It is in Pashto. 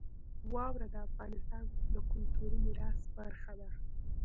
واوره د افغانستان د کلتوري میراث برخه ده.